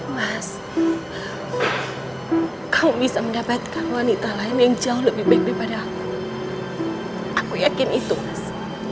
mas kau bisa mendapatkan wanita lain yang jauh lebih baik daripada aku yakin itu mas